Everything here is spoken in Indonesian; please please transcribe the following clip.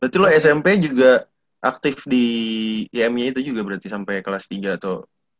berarti lo smp juga aktif di imea itu juga berarti sampai kelas tiga atau